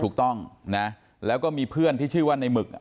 ถูกต้องนะแล้วก็มีเพื่อนที่ชื่อว่าในหมึก